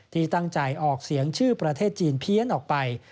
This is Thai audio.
ที่ตั้งใจออกเสียงชื่อประเทศจีนเพี้ยนออกไป